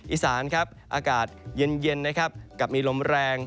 อีสานครับอากาศเย็นนะครับกับมีลมแรง